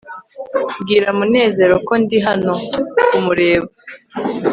bwira munezero ko ndi hano kumureba